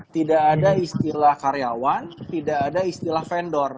tidak ada istilah karyawan tidak ada istilah vendor